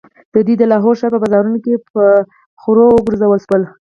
دوی د لاهور ښار په بازارونو کې په خرو وګرځول شول.